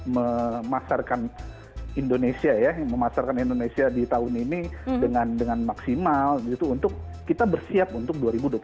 memasarkan indonesia ya memasarkan indonesia di tahun ini dengan maksimal gitu untuk kita bersiap untuk dua ribu dua puluh empat